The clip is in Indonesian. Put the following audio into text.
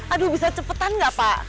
aduh bisa cepetan nggak pak